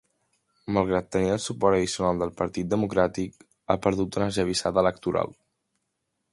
Malgrat tenir el suport addicional del Partit Democràtic, ha perdut en una esllavissada electoral.